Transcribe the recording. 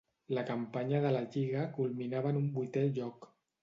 La campanya de la Lliga culminava en un vuitè lloc.